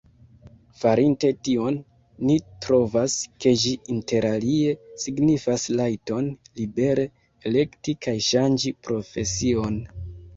Farinte tion, ni trovas, ke ĝi interalie signifas rajton libere elekti kaj ŝanĝi profesion.